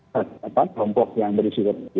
kelompok yang berisiko tinggi